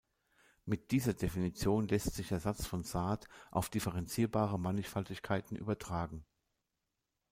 Mit dieser Definition lässt sich der Satz von Sard auf differenzierbare Mannigfaltigkeiten übertragen.